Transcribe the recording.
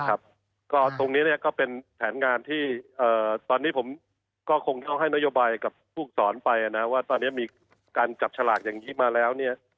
ตรงนี้ก็เป็นแผนงานที่ตอนนี้ผมก็คงต้องให้นโยบายกับผู้สอนไปว่าตอนนี้มีการจับฉลากอย่างนี้มาแล้ว